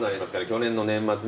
去年の年末ね